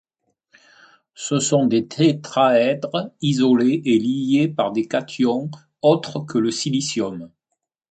Ce sont des tétraèdres isolés et liés par des cations autres que le silicium.